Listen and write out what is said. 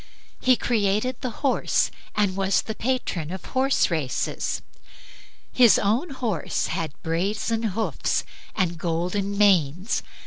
He created the horse and was the patron of horse races. His own horses had brazen hoofs and golden manes.